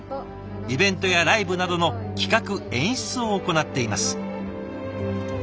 イベントやライブなどの企画演出を行っています。